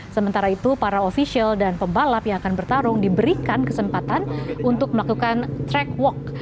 sementara itu para ofisial dan pembalap yang akan bertarung diberikan kesempatan untuk melakukan track walk